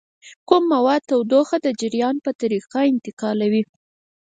کوم مواد تودوخه د جریان په طریقه انتقالوي؟